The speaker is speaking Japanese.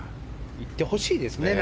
いってほしいですね。